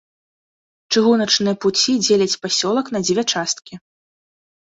Чыгуначныя пуці дзеляць пасёлак на дзве часткі.